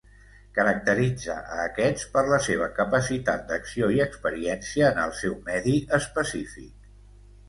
Caracteritza a aquests per la seva capacitat d'acció i experiència en el seu medi específic.